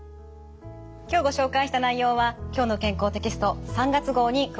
今日ご紹介した内容は「きょうの健康」テキスト３月号に詳しく掲載されています。